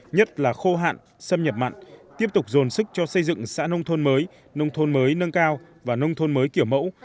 nhất là khô hạn xâm nhập mặn tiếp tục dồn sức cho xây dựng xã nông thôn mới nông thôn mới nâng cao và nông thôn mới kiểu mẫu